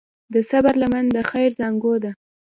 د صبر لمن د خیر زانګو ده.